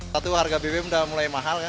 satu harga bbm sudah mulai mahal kan